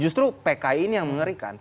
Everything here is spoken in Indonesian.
justru pki ini yang mengerikan